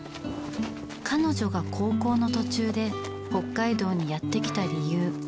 彼女が高校の途中で北海道にやってきた理由。